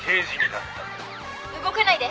「動かないで！